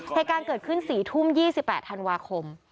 ในการเกิดขึ้น๔ทุ่ม๒๘ธันวาคม